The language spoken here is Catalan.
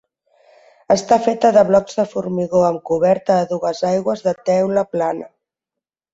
Està feta de blocs de formigó, amb coberta a dues aigües de teula plana.